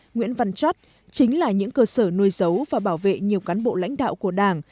nguyễn văn chắc chính là những cơ sở nuôi dấu và bảo vệ nhiều cán bộ lãnh đạo của đảng